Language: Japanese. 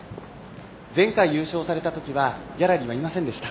前回優勝されたときはギャラリーはいませんでした。